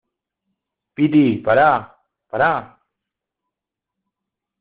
piti, para , para.